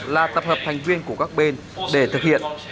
là tập hợp thành viên của các bên để thực hiện